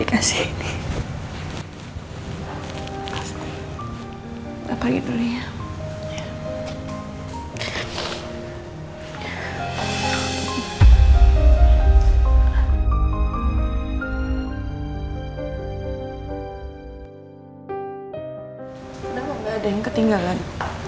kenapa gak ada yang ketinggalan